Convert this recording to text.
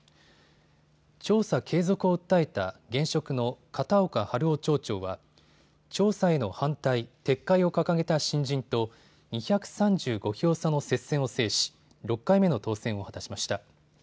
調査継続を訴えた現職の片岡春雄町長は調査への反対、撤回を掲げた新人と２３５票差の接戦を制し６回目の当選を果たしました。